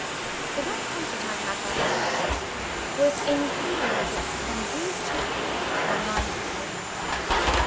The one comfort I had, that night, was in feeling that, on these two points, my mind was made up.